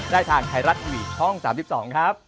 ได้ทางไทยรัฐทีวีช่อง๓๒ครับ